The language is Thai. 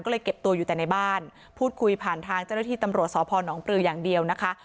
ก็เลยเก็บตัวอยู่แต่ในบ้านพูดคุยผ่านทางเจ้าหน้าที่ตำรวจสพนปลืออย่างเดียวนะคะ